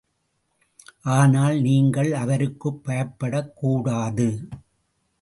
ஆனால், நீங்கள் அவருக்குப் பயப்படக் கூடாது.